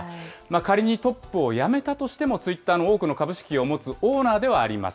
仮にトップを辞めたとしても、ツイッターの多くの株式を持つオーナーではあります。